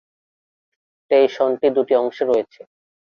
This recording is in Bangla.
স্টেশনটি দুটি অংশে রয়েছে।